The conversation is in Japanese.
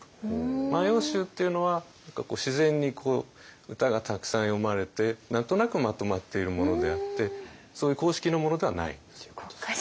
「万葉集」っていうのは自然に歌がたくさん詠まれて何となくまとまっているものであってそういう公式のものではないっていうことですよね。